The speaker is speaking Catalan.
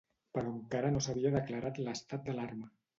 Però encara no s’havia declarat l’estat d’alarma.